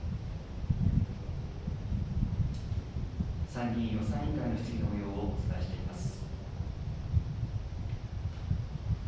参議院予算委員会の質疑のもようをお伝えしています。